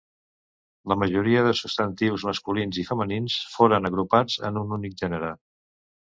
La majoria de substantius masculins i femenins foren agrupats en un únic gènere.